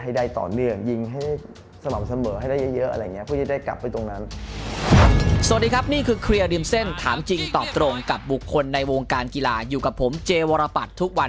ให้ได้ต่อเนื่องยิงให้สม่ำเสมอให้ได้เยอะ